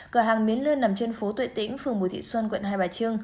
cửa hàng miến lươn nằm trên phố tuệ tĩnh phường bùi thị xuân quận hai bà trưng